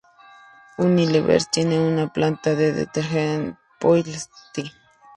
Unilever tiene una planta de detergentes en Ploieşti.